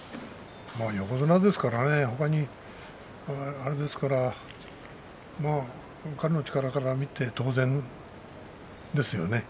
横綱ですから他にあれですから彼の力から見て当然ですよね。